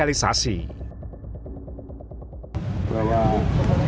polisi mengungkapkan pelaku yang berada di bawah